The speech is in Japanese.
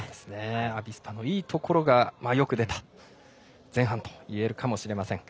アビスパのいいところがよく出た前半と言えるかもしれません。